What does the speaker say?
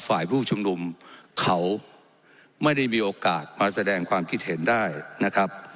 ฝ่ายผู้ชุมนุมเขาไม่ได้มีโอกาสมาแสดงความคิดเห็นได้นะครับ